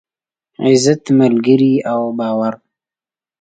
عزت، ملگري او باور.